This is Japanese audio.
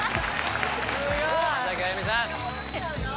浜崎あゆみさん